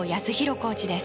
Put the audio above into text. コーチです。